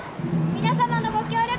皆様のご協力